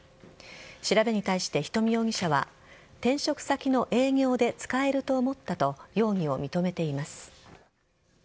調べに対して、人見容疑者は転職先の営業で使えると思ったと容疑を認めています。